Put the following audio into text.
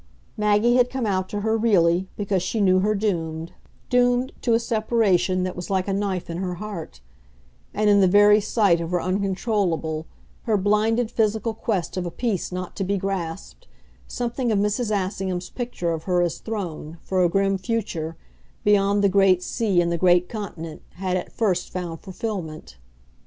Maggie had come out to her, really, because she knew her doomed, doomed to a separation that was like a knife in her heart; and in the very sight of her uncontrollable, her blinded physical quest of a peace not to be grasped, something of Mrs. Assingham's picture of her as thrown, for a grim future, beyond the great sea and the great continent had at first found fulfilment.